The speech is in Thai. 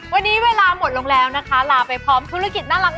วันนี้เวลาหมดลงแล้วนะคะลาไปพร้อมธุรกิจน่ารัก